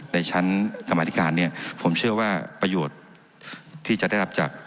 ในชั้นกรรมธิการเนี่ยผมเชื่อว่าประโยชน์ที่จะได้รับจาก